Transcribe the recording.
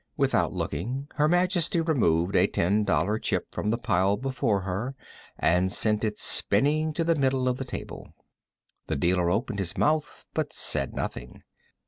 Without looking, Her Majesty removed a ten dollar chip from the pile before her and sent it spinning to the middle of the table. The dealer opened his mouth, but said nothing.